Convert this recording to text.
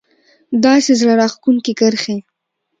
داسې زړه راښکونکې کرښې